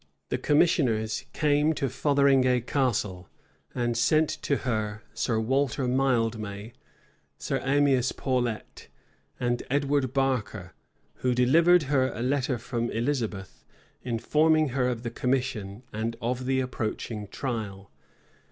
The commissioners came to Fotheringay Castle, and sent to her Sir Walter Mildmay, Sir Amias Paulet, and Edward Barker, who delivered her a letter from Elizabeth, informing her of the commission, and of the approaching trial.